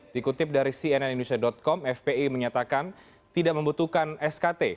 dikutip dari cnnindonesia com fpi menyatakan tidak membutuhkan skt